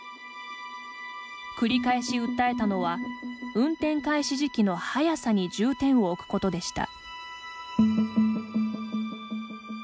繰り返し訴えたのは運転開始時期の早さに重点を置くことでした。